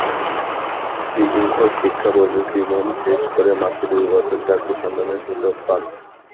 দীর্ঘ শিক্ষাজীবন শেষ করে মাত্র দুই বছর চাকরি সন্ধানের সুযোগ পান।